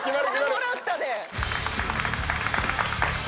これもらったで。